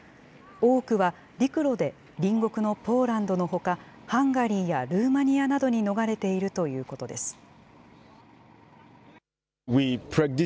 多くは陸路で隣国のポーランドのほか、ハンガリーやルーマニアなどに逃れているということです。